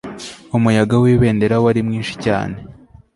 umuyaga wibendera wari mwinshi cyane